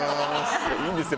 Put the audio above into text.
いいんですよ